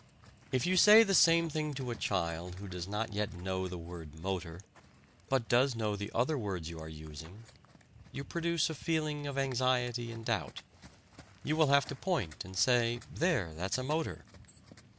If you say the same thing to a child who does not yet know the word "motor," but does know the other words you are using, you produce a feeling of anxiety and doubt you will have to point and say, "There, that's a motor."